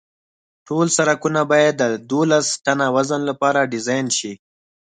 ټول سرکونه باید د دولس ټنه وزن لپاره ډیزاین شي